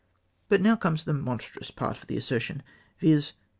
But now comes the monstrous part of the assertion ; viz.